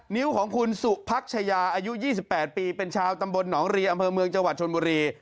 นิ้วของคุณสุพักชายาอายุ๒๘ปีเป็นชาวตำบลหนองรีอำเภอเมืองจังหวัดชนบุรี